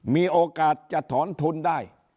มีโอกาสจะถอนทุนได้